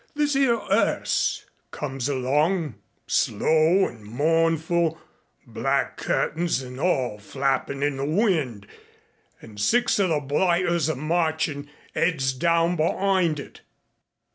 This 'ere 'earse comes along slow an' mournful, black curt'ins an' all flappin' in the wind an' six of the blighters a marchin' heads down behind it.